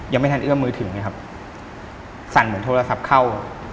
ยังไม่ทันเอื้อมมือถือไงครับสั่นเหมือนโทรศัพท์เข้า